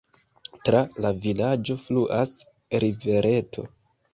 Tra la vilaĝo fluas rivereto.